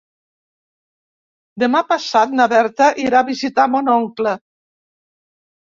Demà passat na Berta irà a visitar mon oncle.